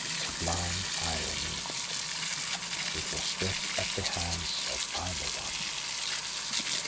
Sublime irony! It was death at the hands of either one!